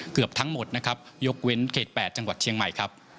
เกือบทั้งหมดยกเว้นเขต๘จังหวัดเชียงใหม่